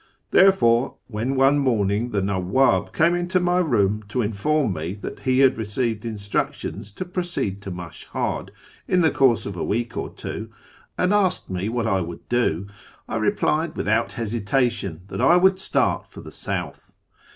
Therefore, when one morning the Nawwab came into my room to inform me that he had received instructions to proceed to Mashhad in the course of a week or two, and asked me what I would do, I replied with out hesitation that I would start for the south.